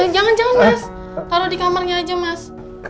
jangan jangan mas taruh di kamarnya aja mas